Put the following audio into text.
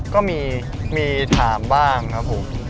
ก็มีถามบ้างครับผม